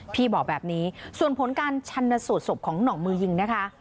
พี่บอกแบบนี้ส่วนผลการชันสูตรศพของหน่องมือยิงนะคะ